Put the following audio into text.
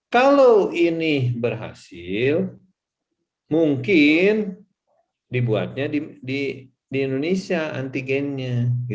kalau ini berhasil mungkin dibuatnya di indonesia antigennya